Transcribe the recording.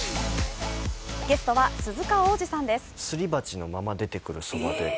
ゲストは鈴鹿央士さんです。